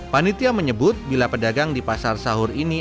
panitia menyebut bila pedagang di pasar sahur ini